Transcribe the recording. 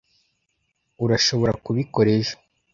urashobora kubikora ejo